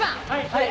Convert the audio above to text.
はい！